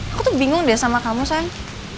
aku tuh bingung deh sama kamu sayang